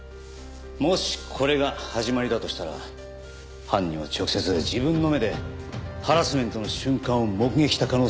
もしこれが始まりだとしたら犯人は直接自分の目でハラスメントの瞬間を目撃した可能性が高い。